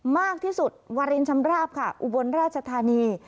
มากที่สุดวารินชำราบค่ะอุบลราชธานี